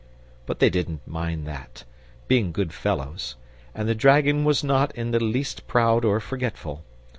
But they didn't mind that, being good fellows, and the dragon was not in the least proud or forgetful.